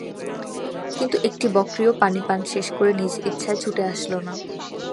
কিন্তু একটি বকরীও পানি পান শেষ করে নিজ ইচ্ছায় ছুটে আসল না।